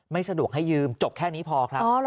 ไม่สะดวกให้ยืมจบแค่นี้พอครับ